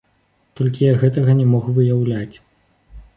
Толькі я гэтага не мог выяўляць.